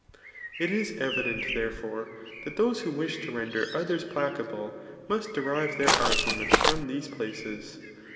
It IS evident, therefbre, that those who wish to render others placable must derive their arguments fromfhese places.